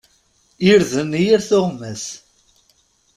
Irden i yir tuɣmas.